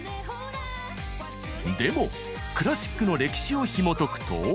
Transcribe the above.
でもクラシックの歴史をひもとくと。